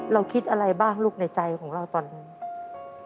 เราคิดอะไรบ้างลูกในใจของเราตอนนี้